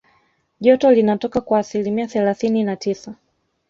joto linatoka kwa asilimia thelathini na tisa